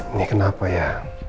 ini kenapa ya